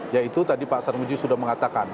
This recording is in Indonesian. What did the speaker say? yaitu tadi pak sarmuji sudah mengatakan